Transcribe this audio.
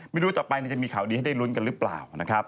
ไม่รู้ว่าต่อไปจะมีข่าวดีให้ได้รุนกันหรือเปล่า